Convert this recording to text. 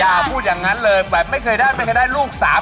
อย่าพูดอย่างนั้นเลยแบบไม่เคยได้ไม่เคยได้ลูกสามคน